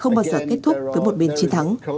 không bao giờ kết thúc với một bên chiến thắng